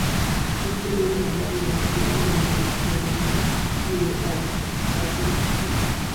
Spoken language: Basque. Urte berean Herri Batasunaren mahai nazionalaren kide hautatu zuten.